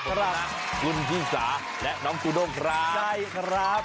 ครับคุณชิสาและน้องจูด้งครับใช่ครับ